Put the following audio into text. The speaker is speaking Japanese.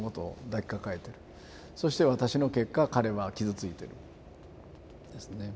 そして私の結果彼は傷ついてるんですね。